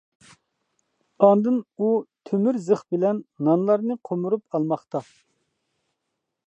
ئاندىن ئۇ تۆمۈر زىخ بىلەن نانلارنى قومۇرۇپ، ئالماقتا.